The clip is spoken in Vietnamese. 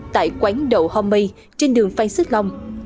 tại quán đậu homemade trên đường phan xích long